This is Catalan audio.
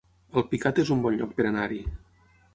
Alpicat es un bon lloc per anar-hi